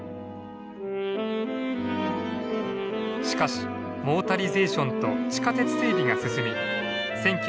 しかしモータリゼーションと地下鉄整備が進み